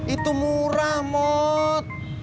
itu murah mot